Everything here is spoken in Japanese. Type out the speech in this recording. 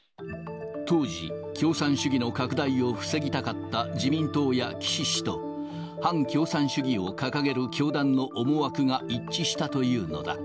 当時、共産主義の拡大を防ぎたかった自民党や岸氏と、反共産主義を掲げる教団の思惑が一致したというのだ。